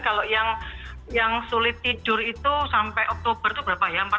kalau yang sulit tidur itu sampai oktober itu berapa ya